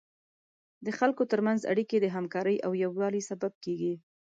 د خلکو تر منځ اړیکې د همکارۍ او یووالي سبب کیږي.